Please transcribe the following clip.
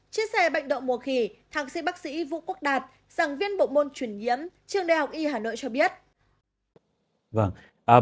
chia sẻ bệnh động mùa khỉ thạc sĩ bác sĩ vũ quốc đạt giảng viên bộ môn chuyển nhiễm trường đại học y hà nội cho biết